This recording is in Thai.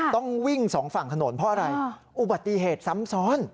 ต้องวิ่งสองฝั่งถนนเพราะอะไรอุบัติเหตุซ้ำซ้อน